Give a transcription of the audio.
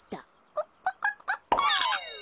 ココココケ！